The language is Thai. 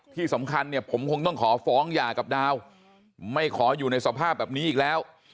ที่สำคัญเนี่ยผมคงต้องขอฟ้องหย่ากับดาวไม่ขออยู่ในสภาพแบบนี้อีกแล้ว